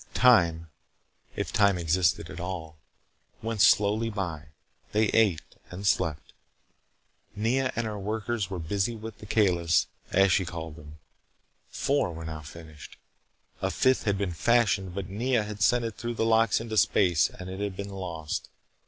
Time, if time existed at all, went slowly by. They ate and slept. Nea and her workers were busy with the Kalis, as she called them. Four were now finished. A fifth had been fashioned, but Nea had sent it through the locks into space and it had been lost.